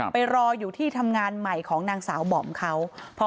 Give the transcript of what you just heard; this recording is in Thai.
ไปรออยู่ที่ทำงานใหม่ของนางสาวหม่อมเขา